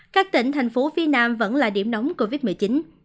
các tỉnh thành phố phía nam vẫn là điểm nóng covid một mươi chín